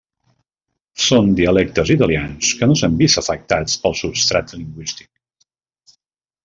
Són dialectes italians que no s'han vist afectats pel substrat lingüístic.